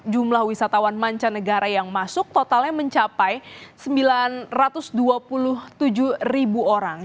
jumlah wisatawan mancanegara yang masuk totalnya mencapai sembilan ratus dua puluh tujuh ribu orang